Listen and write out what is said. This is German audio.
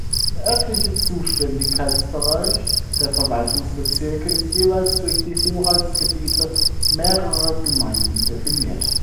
Der örtliche Zuständigkeitsbereich der Verwaltungsbezirke ist jeweils durch die Hoheitsgebiete mehrerer Gemeinden definiert.